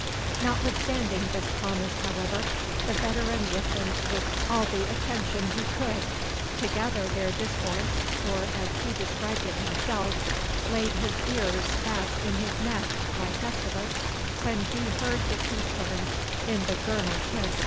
Notwithstanding this promise, however, the veteran listened with all the attention he could to gather their discourse, or, as he described it himself, "laid his ears back in his neck, like Gustavus, when he heard the key turn in the girnell kist."